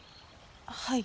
はい。